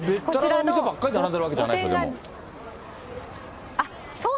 べったらの店ばっかり並んでるわけじゃないんでしょう。